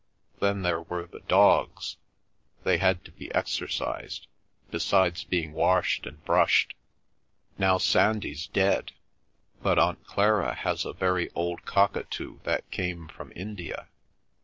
Then there were the dogs. They had to be exercised, besides being washed and brushed. Now Sandy's dead, but Aunt Clara has a very old cockatoo that came from India.